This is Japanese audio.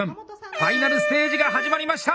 Ｆｉｎａｌステージが始まりました。